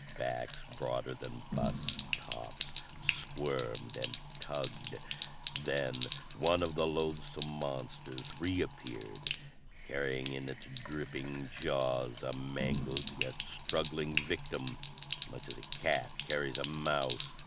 Backs broader than bus tops squirmed and tugged, then one of the loathsome monsters reappeared carrying in its dripping jaws a mangled, yet struggling victim much as a cat carries a mouse.